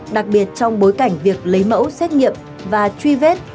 đặc biệt trong bối cảnh việc lấy mẫu xét nghiệm và truy vết